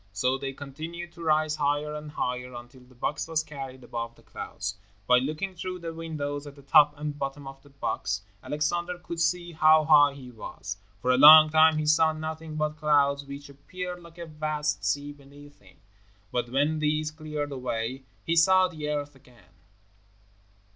So they continued to rise higher and higher until the box was carried above the clouds. By looking through the windows at the top and bottom of the box, Alexander could see how high he was. For a long time he saw nothing but clouds, which appeared like a vast sea beneath him, but when these cleared away, he saw the earth again.